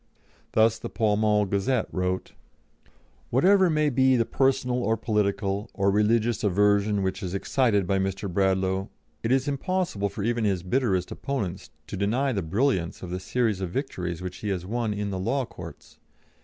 Thus the Pall Mall Gazette wrote: "Whatever may be the personal or political or religious aversion which is excited by Mr. Bradlaugh, it is impossible for even his bitterest opponents to deny the brilliance of the series of victories which he has won in the law courts.